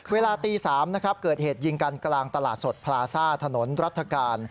เวลาตี๓นะครับเกิดเหตุยิงกันกลางตลาดสดพลาซ่าถนนรัฐกาล